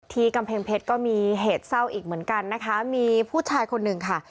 กำแพงเพชรก็มีเหตุเศร้าอีกเหมือนกันนะคะมีผู้ชายคนหนึ่งค่ะ